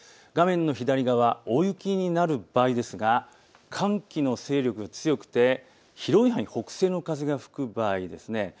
画面の左側、大雪になる場合ですが寒気の勢力が強くて広い範囲、北西の風が吹く場合です。